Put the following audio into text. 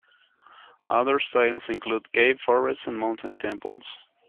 Other styles include cave, forest and mountain temples.